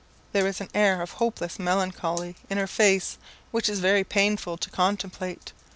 There is an air of hopeless melancholy in her face which is very painful to contemplate.